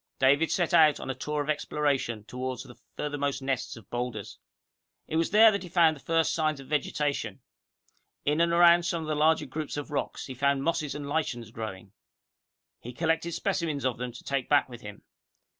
David set out on a tour of exploration toward the furthermost nests of boulders. It was there that he found the first signs of vegetation. In and around some of the larger groups of rocks, he found mosses and lichens growing. He collected specimens of them to take back with him.